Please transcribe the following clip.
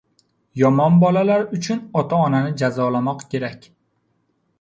Yomon bolalar uchun ota-onani jazolamoq kerak.